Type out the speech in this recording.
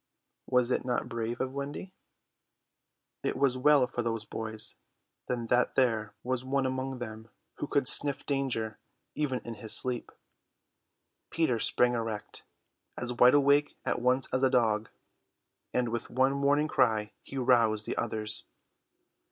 Was it not brave of Wendy? It was well for those boys then that there was one among them who could sniff danger even in his sleep. Peter sprang erect, as wide awake at once as a dog, and with one warning cry he roused the others.